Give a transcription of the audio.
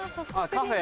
カフェ？